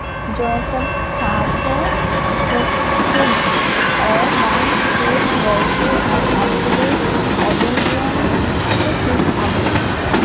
Joseph's charter prescribed a monk's chief virtue as absolute obedience to his abbot.